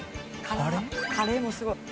カレーもすごい。